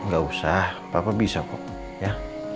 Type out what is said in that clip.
gak usah papa bisa kok ya